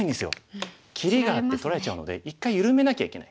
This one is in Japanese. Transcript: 切りがあって取られちゃうので一回緩めなきゃいけない。